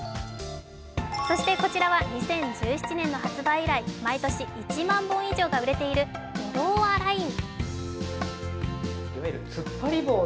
そして、こちらは２０１７年の発売以来、毎年１万本以上が売れているドローアライン。